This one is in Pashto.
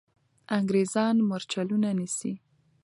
انګریزان مرچلونه نیسي.